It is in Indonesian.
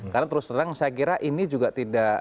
karena terus terang saya kira ini juga tidak